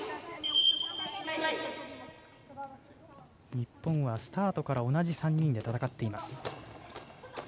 日本はスタートから同じ３人で戦っています。